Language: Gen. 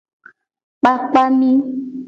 Kpakpa mi.